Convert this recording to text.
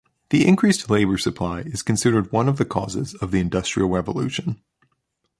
The increased labour supply is considered one of the causes of the Industrial Revolution.